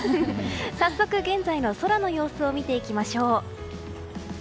早速、現在の空の様子を見ていきましょう。